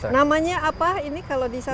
namanya apa ini kalau di sana